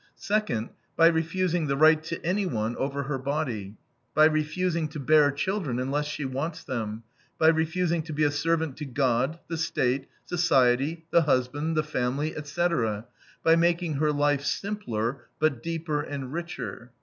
Second, by refusing the right to anyone over her body; by refusing to bear children, unless she wants them; by refusing to be a servant to God, the State, society, the husband, the family, etc.; by making her life simpler, but deeper and richer.